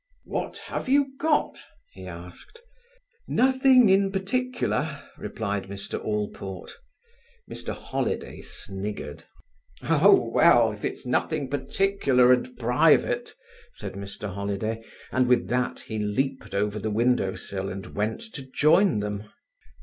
"What have you got?" he asked. "Nothing in particular," replied Mr Allport. Mr Holiday sniggered. "Oh, well, if it's nothing particular and private—" said Mr Holiday, and with that he leaped over the window sill and went to join them.